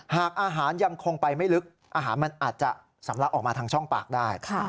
หากอาหารยังคงไปไม่ลึกอาหารมันอาจจะสำลักออกมาทางช่องปากได้